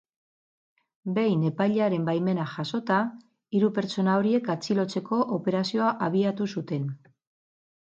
Behin epailearen baimena jasota, hiru pertsona horiek atxilotzeko operazioa abiatu zuten.